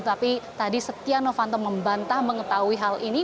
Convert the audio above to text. tapi tadi setia novanto membantah mengetahui hal ini